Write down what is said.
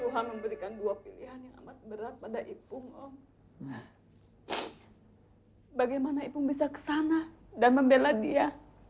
tuhan memberikan dua pilihan yang amat berat pada ipung om bagaimana ipung bisa kesana dan membela dia